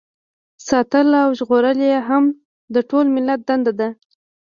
ساتل او ژغورل یې هم د ټول ملت دنده ده.